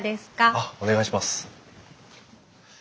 あっお願いします。